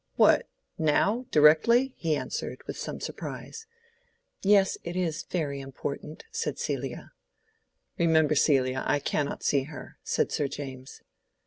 "What, now, directly?" he answered, with some surprise. "Yes, it is very important," said Celia. "Remember, Celia, I cannot see her," said Sir James.